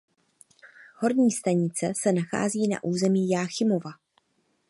Horní stanice se nachází na území Jáchymova.